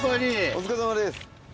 お疲れさまです。